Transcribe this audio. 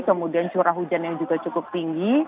kemudian curah hujan yang juga cukup tinggi